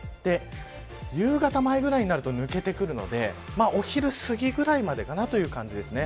夕方前ぐらいになると抜けてくるのでお昼すぎくらいまでかなという感じですね。